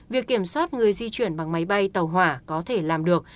việc kiểm soát người di chuyển bằng máy bay tàu hỏa có thể làm được